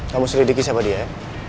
kamu selidiki siapa dia ya